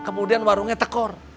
kemudian warungnya tekor